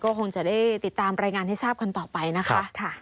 ก็คงจะได้ติดตามรายงานให้ทราบกันต่อไปนะคะ